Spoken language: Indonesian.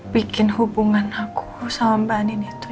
bikin hubungan aku sama mbak din itu